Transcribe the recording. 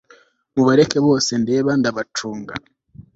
mubareke bose, ndeba ndabacunga